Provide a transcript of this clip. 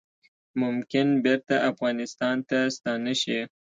ممکن بیرته افغانستان ته ستانه شي